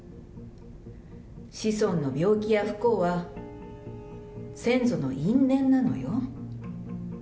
子孫の病気や不幸は先祖の因縁なのよ。